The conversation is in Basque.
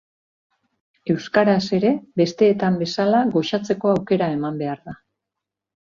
Euskaraz ere besteetan bezala goxatzeko aukera eman behar da.